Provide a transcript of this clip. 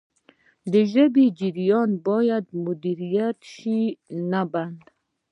د ژبې جریان باید مدیریت شي نه بند.